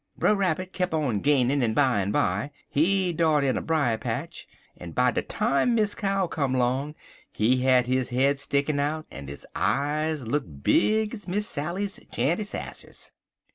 Brer Rabbit kep' on gainin', en bimeby he dart in a brier patch, en by de time Miss Cow come long he had his head stickin' out, en his eyes look big ez Miss Sally's chany sassers.